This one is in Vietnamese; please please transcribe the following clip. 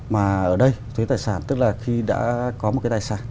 mà ở đây thuế tài sản tức là khi đã có một cái tài sản